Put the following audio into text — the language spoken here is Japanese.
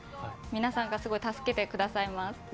皆さんが助けてくださいます。